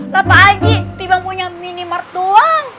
lah pak haji tiba punya mini market doang